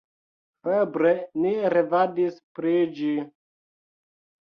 Febre ni revadis pri ĝi.